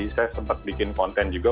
saya sempat bikin konten juga